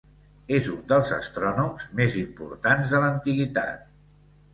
És un dels astrònoms més importants de l'antiguitat.